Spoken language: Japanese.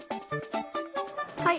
はい。